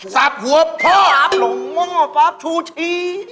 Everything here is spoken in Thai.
สับหัวพ่อชูชี